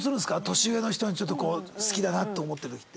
年上の人に好きだなと思ってる時って。